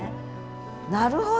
なるほど。